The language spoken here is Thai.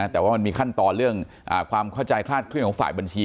แต่ว่ามันมีขั้นตอนเรื่องความเข้าใจคลาดเคลื่อนของฝ่ายบัญชี